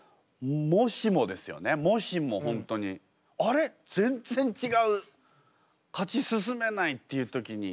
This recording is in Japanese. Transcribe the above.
もしもですよねもしも本当に「あれ？全然ちがう。勝ち進めない」っていう時に。